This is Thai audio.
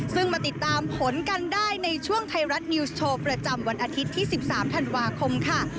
ซึ่งมาติดตามผลกันได้ในช่วงไทยรัฐนิวส์โชว์ประจำวันอาทิตย์ที่๑๓ธันวาคมค่ะ